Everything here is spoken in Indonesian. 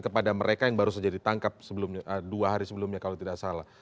kepada mereka yang baru saja ditangkap dua hari sebelumnya kalau tidak salah